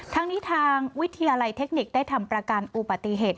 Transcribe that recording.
ทั้งนี้ทางวิทยาลัยเทคนิคได้ทำประกันอุบัติเหตุ